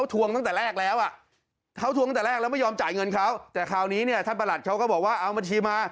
แต่คราวนี้เนี่ยท่านประหลัดเขาก็บอกว่าเอาบัญชีมา